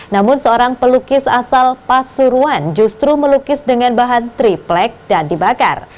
namun seorang pelukis asal pasuruan justru melukis dengan bahan triplek dan dibakar